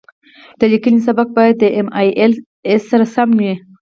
د لیکنې سبک باید د ایم ایل اې سره سم وي.